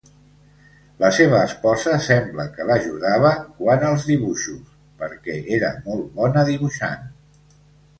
La seva esposa sembla que l'ajudava quant als dibuixos, perquè era molt bona dibuixant.